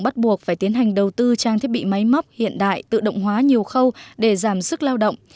bắt buộc phải tiến hành đầu tư trang thiết bị máy móc hiện đại tự động hóa nhiều khâu để giảm sức lao động